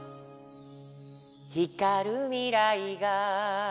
「ひかるみらいが」